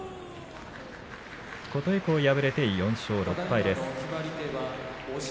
琴恵光、敗れて４勝６敗です。